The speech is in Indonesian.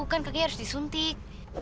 kan kakinya harus disuntik